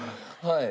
はい。